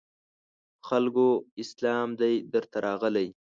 خلکو اسلام دی درته راغلی